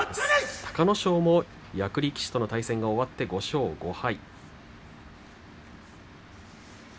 隆の勝も役力士との対戦が終わって５勝５敗。